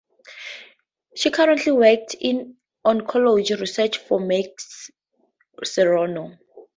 She currently works in oncology research for Merck Serono.